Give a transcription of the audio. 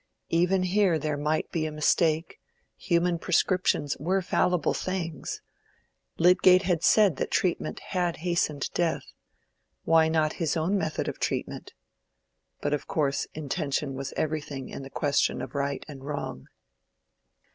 Even here there might be a mistake: human prescriptions were fallible things: Lydgate had said that treatment had hastened death,—why not his own method of treatment? But of course intention was everything in the question of right and wrong.